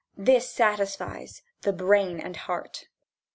This satisfies the brain and heart.